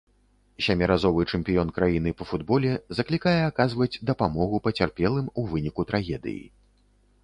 Сяміразовы чэмпіён краіны па футболе заклікае аказваць дапамогу пацярпелым у выніку трагедыі.